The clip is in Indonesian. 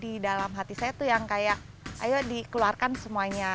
di dalam hati saya tuh yang kayak ayo dikeluarkan semuanya